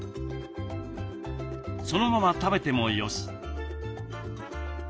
そのまま食べてもよし。